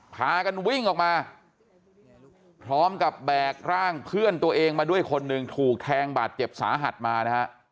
พากันวิ่งออกมาพร้อมกับแบกร่างเพื่อนตัวเองมาด้วยคนหนึ่งถูกแทงบาดเจ็บสาหัสมานะฮะ